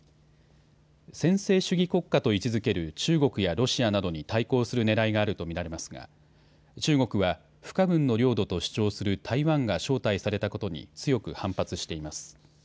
専制主義国家と位置づける中国やロシアなどに対抗するねらいがあると見られますが中国は不可分の領土と主張する台湾が招待されたことに強く反発しています。